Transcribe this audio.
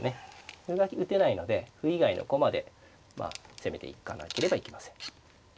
歩が打てないので歩以外の駒で攻めていかなければいけません。